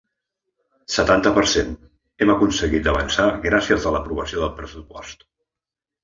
Setanta per cent Hem aconseguit d’avançar gràcies a l’aprovació del pressupost.